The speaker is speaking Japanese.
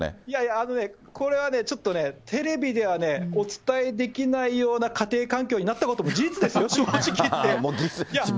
いやいや、あのね、これはね、ちょっとね、テレビではお伝えできないような家庭環境になったことも事実ですよ、正直いって。